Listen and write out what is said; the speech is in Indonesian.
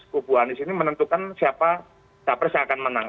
kupu anis ini menentukan siapa capres akan menang